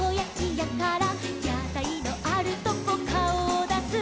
「やたいのあるとこかおをだす」